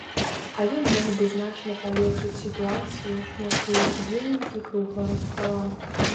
А ён мог бы значна палепшыць сітуацыю, мяркуюць удзельнікі круглага стала.